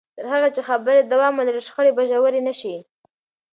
تر هغه چې خبرې دوام ولري، شخړې به ژورې نه شي.